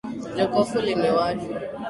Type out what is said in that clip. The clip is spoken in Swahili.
Jokofu limewashwa.